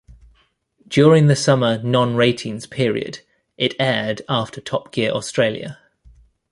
During the summer non-ratings period, it aired after "Top Gear Australia".